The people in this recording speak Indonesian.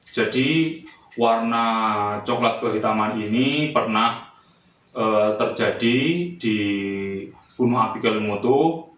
jadi warna coklat kehitaman ini pernah terjadi di gunung api kelimutu